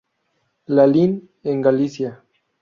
Lalín, en Galicia.